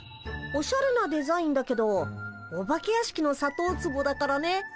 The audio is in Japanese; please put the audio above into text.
おしゃれなデザインだけどお化け屋敷のさとうツボだからね。